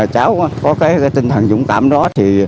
cháu có cái tinh thần dũng cảm đó